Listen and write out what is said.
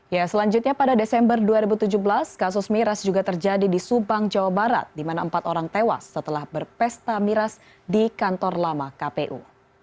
ya selanjutnya pada desember dua ribu tujuh belas kasus miras juga terjadi di subang jawa barat di mana empat orang tewas setelah berpesta miras di kantor lama kpu